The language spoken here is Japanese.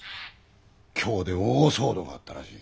京で大騒動があったらしい。